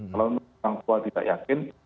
kalau tidak yakin